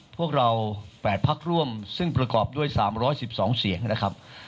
พวกเรา๘พักร่วมซึ่งประกอบด้วย๓๑๒เสียงนะครับ